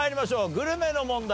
グルメの問題。